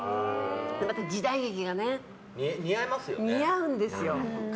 また、時代劇がね似合うんですよ。